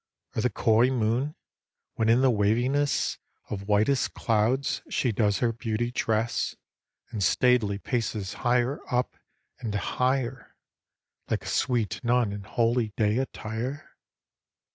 Or the coy moon, when in the waviness Of whitest clouds she does her beauty dress, And staidly paces higher up, and higher, Like a sweet nun in holy day attire